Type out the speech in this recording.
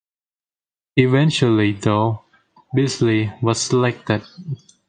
Eventually, though, Bisley was selected.